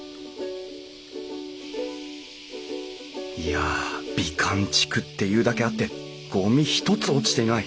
いや美観地区っていうだけあってゴミ一つ落ちていない。